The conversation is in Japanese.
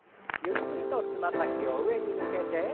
ゆっくりとつま先を上に向けて。